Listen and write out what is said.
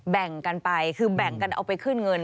แบ่งกันไปคือแบ่งกันเอาไปขึ้นเงิน